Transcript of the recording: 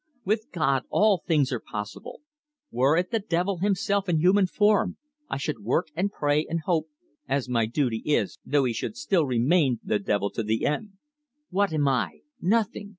With God all things are possible. Were it the devil himself in human form, I should work and pray and hope, as my duty is, though he should still remain the devil to the end. What am I? Nothing.